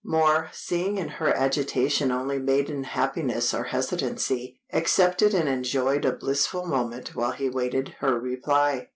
Moor, seeing in her agitation only maiden happiness or hesitancy, accepted and enjoyed a blissful moment while he waited her reply.